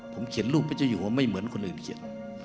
ผมเขียนรูปพระเจ้าอยู่ว่าไม่เหมือนคนอื่นเขียน